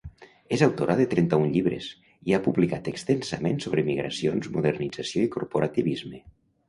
És autora de trenta-un llibres, i ha publicat extensament sobre migracions, modernització i corporativisme.